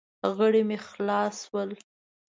غړي مې خلاص شول.